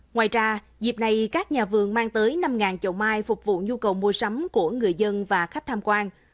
ngoài ra dịp này các nhà vườn mang tới năm chậu mai phục vụ nhu cầu mua sắm của người dân và khách tham quan